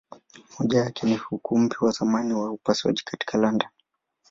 Moja yake ni Ukumbi wa zamani wa upasuaji katika London.